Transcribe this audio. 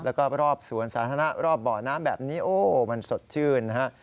แล้วก็รอบสวนสาธารณะรอบบ่อน้ำแบบนี้โอ้มันสดชื่นนะฮะ